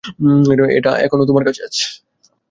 এটা এখনো তোমার কাছে আছে।